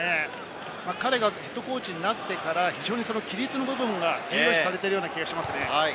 彼がＨＣになってから非常に規律の部分が重要視されているような気がしますね。